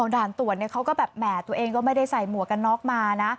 ด่านตรวจเนี่ยเขาก็แบบแหมตัวเองก็ไม่ได้ใส่หมวกกันน็อกมานะ